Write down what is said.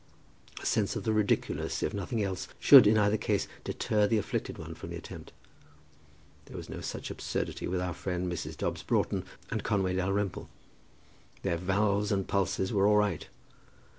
A sense of the ridiculous, if nothing else, should in either case deter the afflicted one from the attempt. There was no such absurdity with our friend Mrs. Dobbs Broughton and Conway Dalrymple. Their valves and pulses were all right.